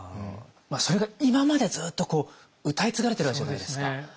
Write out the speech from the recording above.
それが今までずっと歌い継がれてるわけじゃないですか。